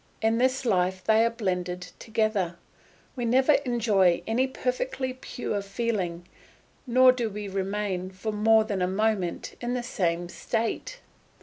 In this life they are blended together; we never enjoy any perfectly pure feeling, nor do we remain for more than a moment in the same state.